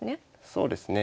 そうですね。